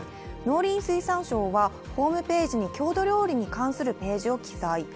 農林水産省は、ホームページに郷土料理に関するページを記載。